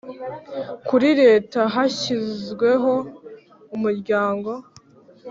Kuri leta hashyizweho umuryango